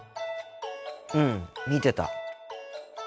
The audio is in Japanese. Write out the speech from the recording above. うん見てた。